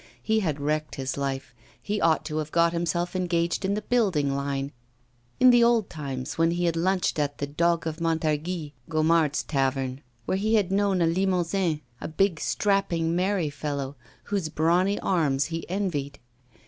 He had wrecked his life; he ought to have got himself engaged in the building line in the old times when he had lunched at the 'Dog of Montargis,' Gomard's tavern, where he had known a Limousin, a big, strapping, merry fellow, whose brawny arms he envied.